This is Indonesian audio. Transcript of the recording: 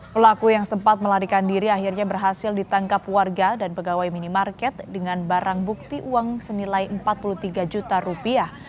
pelaku yang sempat melarikan diri akhirnya berhasil ditangkap warga dan pegawai minimarket dengan barang bukti uang senilai empat puluh tiga juta rupiah